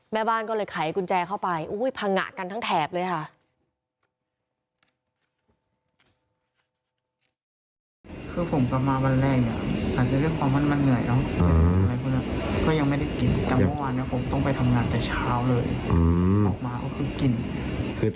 แม่บ้านก็เลยไขกุญแจเข้าไปพังงะกันทั้งแถบเลยค่ะ